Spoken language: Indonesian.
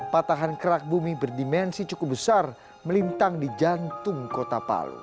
patahan kerak bumi berdimensi cukup besar melintang di jantung kota palu